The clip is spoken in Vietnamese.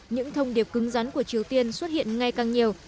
những thông điệp cứng rắn của triều tiên xuất hiện ngay càng nhiều